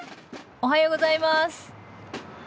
おはようございます。